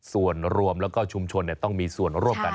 ส่วนรวมแล้วก็ชุมชนต้องมีส่วนร่วมกัน